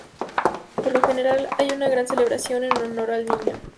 Por lo general, hay una gran celebración en honor al niño.